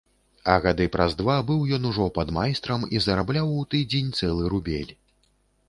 А гады праз два быў ён ужо падмайстрам і зарабляў у тыдзень цэлы рубель.